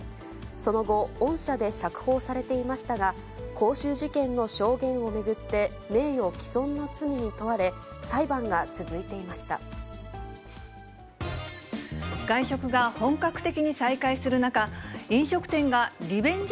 その後、恩赦で釈放されていましたが、光州事件の証言を巡って名誉毀損の罪に問われ、裁判が続いていま外食が本格的に再開する中、飲食店がリベンジ